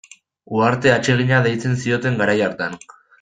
Uharte atsegina deitzen zioten garai hartan.